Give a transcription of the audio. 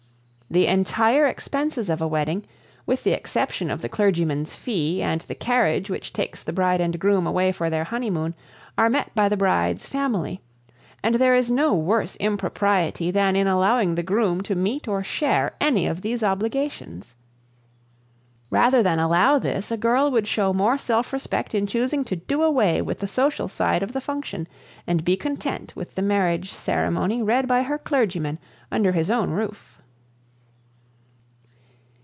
The entire expenses of a wedding, with the exception of the clergyman's fee and the carriage which takes the bride and groom away for their honeymoon, are met by the bride's family, and there is no worse impropriety than in allowing the groom to meet or share any of these obligations. Rather than allow this a girl would show more self respect in choosing to do away with the social side of the function and be content with the marriage ceremony read by her clergyman under his own roof.